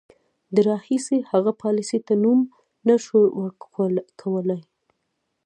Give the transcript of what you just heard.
د راهیسې هغې پالیسۍ ته نوم نه شو ورکولای.